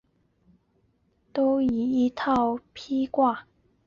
他传授的八极拳都参以一套劈挂掌。